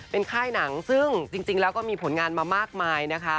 เป็นค่ายหนังซึ่งจริงแล้วก็มีผลงานมามากมายนะคะ